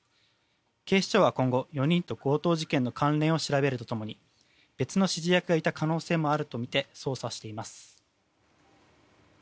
警視庁は今後、４人と強盗事件の関連を調べると共に別の指示役がいた可能性もあるとみて捜査しています。